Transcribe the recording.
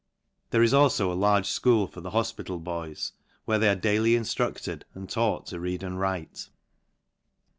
There is alfo a large fchool for the hofpital boys, where they are daily innructed, and taught to read and write.